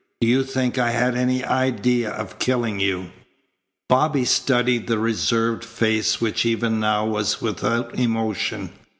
Do you think I had any idea of killing you?" Bobby studied the reserved face which even now was without emotion.